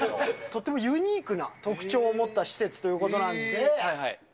とてもユニークな特徴を持った施設ということなんで。